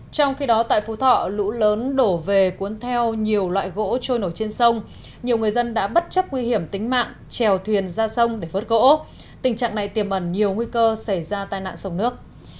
trong khi đó tại phú thọ lũ lớn đổ về cuốn theo nhiều loại gỗ trôi nổi trên sông nhiều người dân đã bất chấp nguy hiểm tính mạng trèo thuyền ra sông để vớt gỗ tình trạng này tiềm ẩn nhiều nguy cơ xảy ra tai nạn sông nước